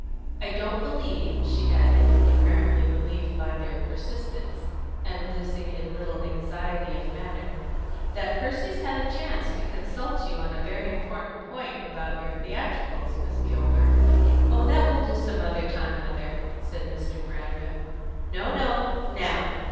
"I don't believe," she added, apparently relieved by their persistence, and losing a little anxiety of manner, "that Percy's had any chance to consult you on a very important point about your theatricals, Miss Kilburn." "Oh, that will do some other time, mother," said Mr. Brandreth. "No, no! Now!